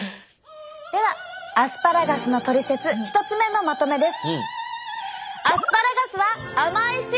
ではアスパラガスのトリセツ１つ目のまとめです。